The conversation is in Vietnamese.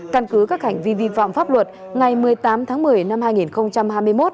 căn cứ các hành vi vi phạm pháp luật ngày một mươi tám tháng một mươi năm hai nghìn hai mươi một